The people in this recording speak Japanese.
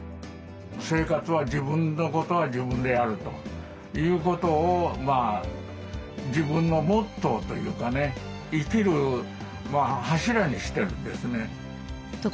生活は自分のことは自分でやるということを自分のモットーというかね生きる柱にしてるんですね。